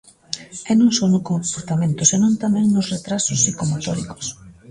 E non só no comportamento senón tamén nos retrasos psicomotóricos.